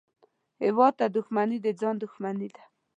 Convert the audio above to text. هېواد ته دښمني د ځان دښمني ده